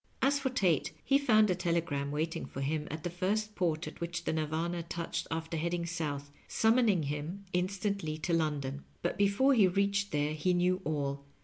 As for Tate, he found a telegram waiting for him at the first port at which the Nirvana touched after heading south, summoning him instantly to London. But before he reached there he knew all.